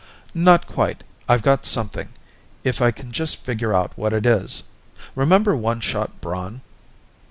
"Not quite. I've got something, if I can just figure out what it is. Remember One Shot Braun?"